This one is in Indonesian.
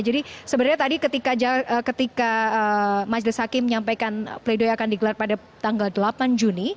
sebenarnya tadi ketika majelis hakim menyampaikan pleidoy akan digelar pada tanggal delapan juni